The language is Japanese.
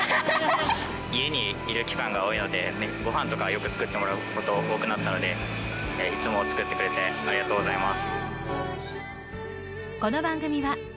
家にいる期間が多いのでごはんとかよく作ってもらうこと多くなったのでいつも作ってくれてありがとうございます。